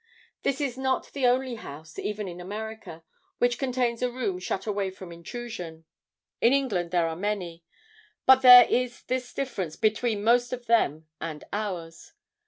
This is not the only house, even in America, which contains a room shut away from intrusion. In England there are many. But there is this difference between most of them and ours.